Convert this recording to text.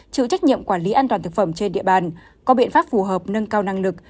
chịu trách nhiệm quản lý an toàn thực phẩm trên địa bàn có biện pháp phù hợp nâng cao năng lực